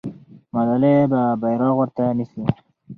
ملالۍ به بیرغ ورته نیسي.